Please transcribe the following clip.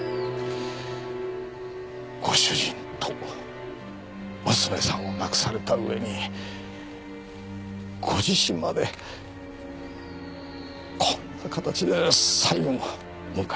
ご主人と娘さんを亡くされた上にご自身までこんな形で最期を迎えるとは。